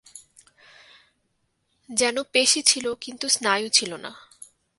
যেন পেশী ছিল, কিন্তু স্নায়ু ছিল না।